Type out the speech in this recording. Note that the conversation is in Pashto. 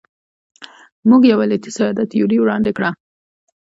موږ یو علتي ساده تیوري وړاندې کړې.